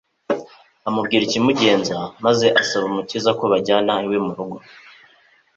amubwira ikimugenza, maze asaba Umukiza ko bajyana iwe mu rugo.